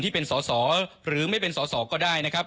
ที่เป็นสอสอหรือไม่เป็นสอสอก็ได้